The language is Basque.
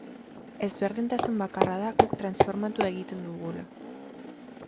Ezberdintasun bakarra da guk transformatu egiten dugula.